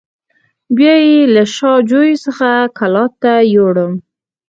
بیا یې له شا جوی څخه کلات ته یووړم.